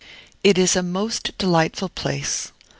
It is a most delightful place.